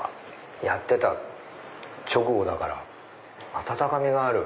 やってた直後だから温かみがある。